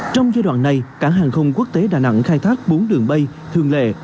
trong giai đoạn này cảng hàng không quốc tế đà nẵng khai thác bốn đường bay thường lệ